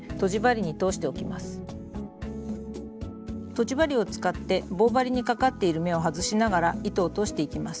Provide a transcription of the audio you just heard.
とじ針を使って棒針にかかっている目を外しながら糸を通していきます。